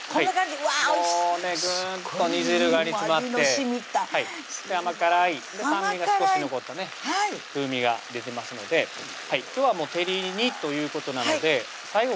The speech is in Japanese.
もうねぐんと煮汁が煮詰まって甘辛い酸味が少し残った風味が出てますので今日は照り煮ということなので最後